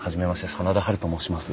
真田ハルと申します。